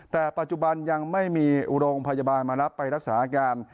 แต่ปัจจุบันยังไม่มีโรงพยาบาลมารับไปรักษาอาการ